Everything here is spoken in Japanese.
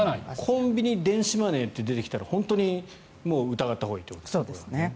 コンビニ、電子マネーって出てきたら本当に疑ったほうがいいということですね。